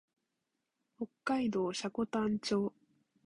北海道積丹町